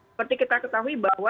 seperti kita ketahui bahwa